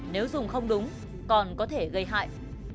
nếu dùng không đúng còn có thể gây hại